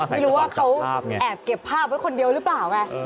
ไม่รู้ว่าเขาแอบเก็บภาพไว้คนเดียวหรือเปล่าไง